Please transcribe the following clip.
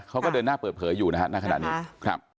เขาก็เดินหน้าเปิดเผยอยู่นะฮะ